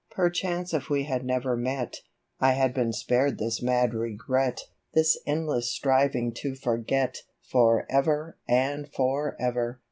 Perchance if we had never met, I had been spared this mad regret, This endless striving to forget, For ever and for ever